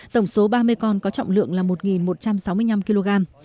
tổng số ba mươi con có trọng lượng là một một trăm sáu mươi năm kg